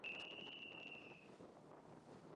হাঁ, বলেছি বৈকি!